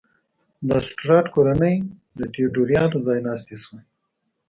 د سټورات کورنۍ د تیودوریانو ځایناستې شوه.